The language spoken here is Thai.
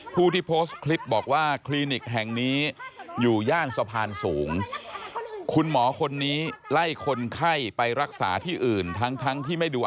ผู้ที่โพสต์คลิปบอกว่าคลินิกแห่งนี้อยู่ย่างสะพานสูง